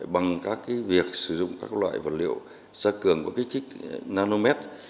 bằng việc sử dụng các loại vật liệu gia cường của chiếc nanomét